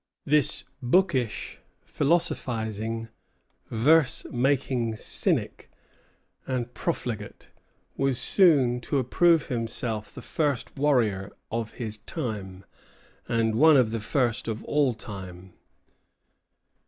This bookish, philosophizing, verse making cynic and profligate was soon to approve himself the first warrior of his time, and one of the first of all time.